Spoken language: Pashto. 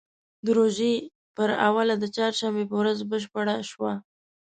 د روژې پر اوله د چهارشنبې په ورځ بشپړه شوه.